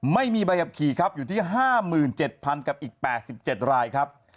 ไม่มีใบขับขี่ครับอยู่ที่๕๗๐๐กับอีก๘๗รายครับ